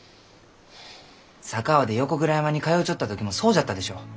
佐川で横倉山に通うちょった時もそうじゃったでしょ？